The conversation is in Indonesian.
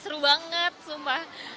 seru banget sumpah